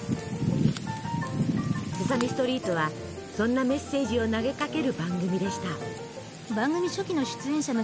「セサミストリート」はそんなメッセージを投げかける番組でした。